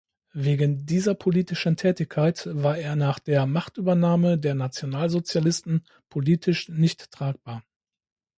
Wegen dieser politischen Tätigkeit war er nach der Machtübernahme der Nationalsozialisten politisch nicht tragbar.